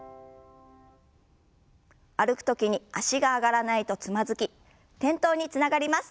歩く時に脚が上がらないとつまずき転倒につながります。